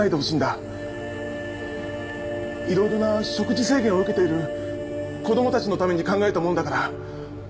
いろいろな食事制限を受けている子供たちのために考えたものだから。